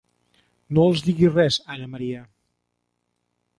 No els diguis res, Anna Maria!